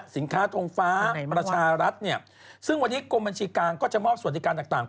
สินค้าทงฟ้าประชารัฐเนี่ยซึ่งวันนี้กรมบัญชีกลางก็จะมอบสวัสดิการต่าง